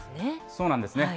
そうなんですね。